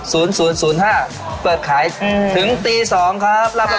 ฝุ่นวิทยา๑๑๐๙๑๒๐๖๐๐๐๕เปิดขายถึงตี๒ครับรับรับรับ